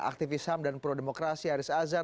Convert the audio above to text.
aktivis ham dan prodemokrasi haris azhar